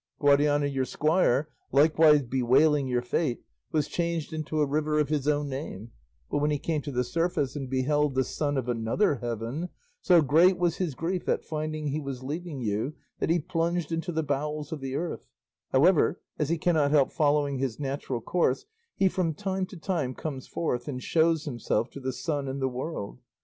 Guadiana your squire, likewise bewailing your fate, was changed into a river of his own name, but when he came to the surface and beheld the sun of another heaven, so great was his grief at finding he was leaving you, that he plunged into the bowels of the earth; however, as he cannot help following his natural course, he from time to time comes forth and shows himself to the sun and the world.